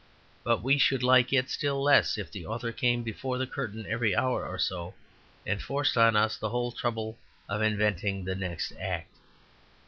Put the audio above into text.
But we should like it still less if the author came before the curtain every hour or so, and forced on us the whole trouble of inventing the next act.